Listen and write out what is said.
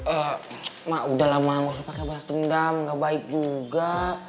ehh mak udahlah mak gak usah pake balas dendam gak baik juga